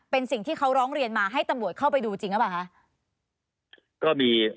เป็นสิ่งที่เขาร้องเรียนมาให้ตำรวจเข้าไปดูจริงหรือเปล่าคะ